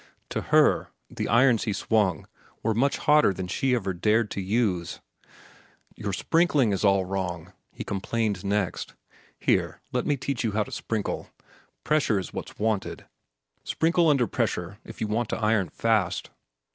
To her, the irons he swung were much hotter than she ever dared to use. "Your sprinkling is all wrong," he complained next. "Here, let me teach you how to sprinkle. Pressure is what's wanted. Sprinkle under pressure if you want to iron fast."